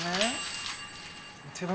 手紙？